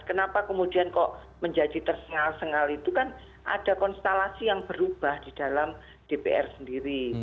kenapa kemudian kok menjadi tersengal sengal itu kan ada konstelasi yang berubah di dalam dpr sendiri